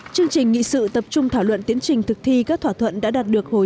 chương trình nghị sự tập trung thảo luận tiến trình thực thi các thỏa thuận đã đạt được hồi